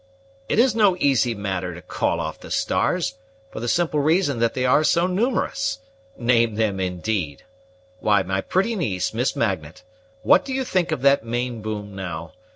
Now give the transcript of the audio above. it is no easy matter to call off the stars, for the simple reason that they are so numerous. Name them, indeed! Why, my pretty niece, Miss Magnet, what do you think of that main boom now?